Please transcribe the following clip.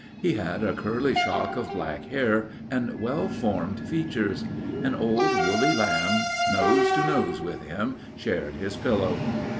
He had a curly shock of black hair and well formed features. An old woolly lamb nose to nose with him shared his pillow.